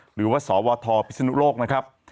หรือว่าสวทพิศนุโลกนะครับ